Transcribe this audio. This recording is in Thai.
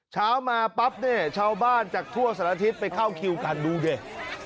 เช้ามาปั๊บเนี่ยชาวบ้านจากทั่วสารทิศไปเข้าคิวกันดูดิ